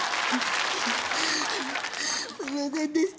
すいませんでした。